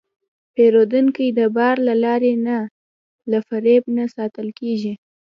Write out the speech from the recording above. پیرودونکی د باور له لارې نه، له فریب نه ساتل کېږي.